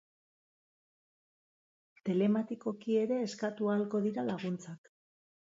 Telematikoki ere eskatu ahalko dira laguntzak.